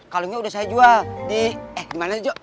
kalungnya udah saya jual di eh dimana jo